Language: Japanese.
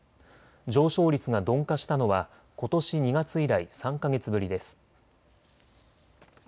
上昇率が鈍化したのはことし２月以来、３か月ぶりです。